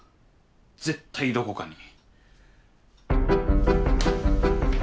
絶対どこかに。